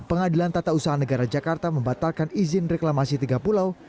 pengadilan tata usaha negara jakarta membatalkan izin reklamasi tiga pulau